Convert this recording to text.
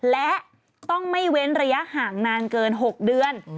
และต้องไม่เว้นระยะห่างนานเกิน๖เดือน